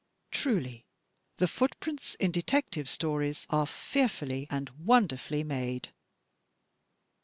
Truly the footprints in detective stories are fearfully and wonderfully made!